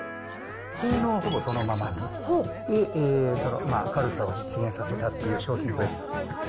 性能ほぼそのままに、軽さを実現させたっていう商品です。